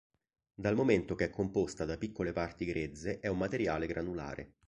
Dal momento che è composta da piccole parti grezze è un materiale granulare.